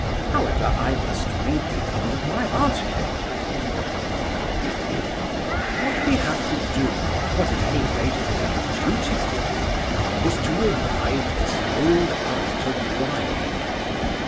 However, I must read the end of my article:— 'What we have to do, what at any rate it is our duty to do, is to revive this old art of Lying.